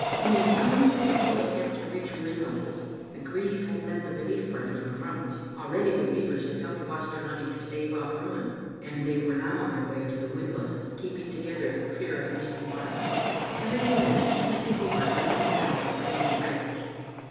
In his unsuccessful attempt to reach Whinbusses, the grieve had met the relief party from Thrums. Already the weavers had helped Waster Lunny to stave ofiE ruin, and they were now on their way ta Whinbusses, keep ing together through fear of mist and water. Every Digitized by VjOOQ IC M' ttbc little Ainfdtet. few minutes Snecky Hobart rang his bell to bring in stragglers.